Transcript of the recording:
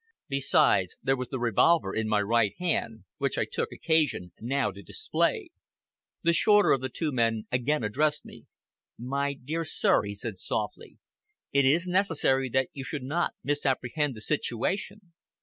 Besides, there was the revolver in my right hand, which I took occasion now to display. The shorter of the two men again addressed me. "My dear sir," he said softly, "it is necessary that you should not misapprehend the situation.